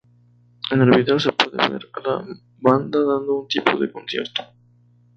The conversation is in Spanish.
En el vídeo se puede ver a la banda dando un tipo de concierto.